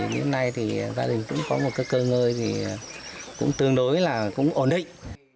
đến nay gia đình cũng có một cơ ngơi tương đối ổn định